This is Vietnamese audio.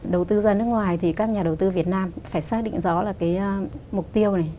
đầu tư ra nước ngoài thì các nhà đầu tư việt nam phải xác định rõ là cái mục tiêu này